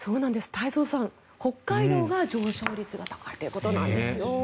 太蔵さん、北海道が上昇率が高いということなんですよ。